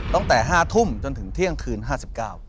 ตั้งแต่ห้าทุ่มจนถึงเที่ยงคืนห้าสิบเก้า